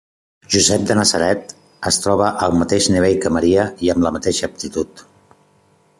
Josep de Natzaret es troba al mateix nivell que Maria i amb la mateixa aptitud.